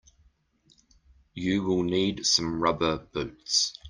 You will need some rubber boots.